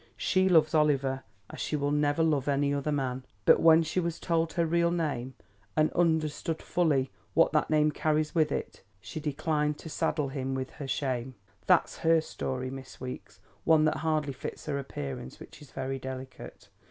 She loves Oliver as she will never love any other man, but when she was told her real name and understood fully what that name carries with it, she declined to saddle him with her shame. That's her story, Miss Weeks; one that hardly fits her appearance which is very delicate.